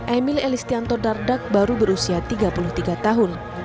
emil elistianto dardak baru berusia tiga puluh tiga tahun